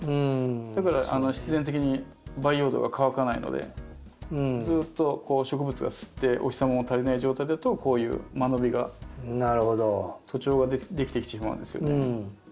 だから必然的に培養土が乾かないのでずっと植物が吸ってお日様の足りない状態だとこういう間延びが徒長ができてしまうんですよね。